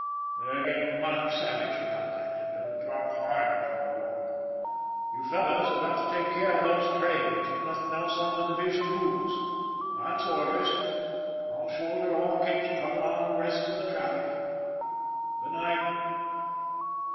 They're getting mighty savage about that, and they'll drop hard before long. You fellows have got to take care of those trains, if nothing else on the division moves. That's orders. I'll shoulder all kicks coming on the rest of the traffic. Good night."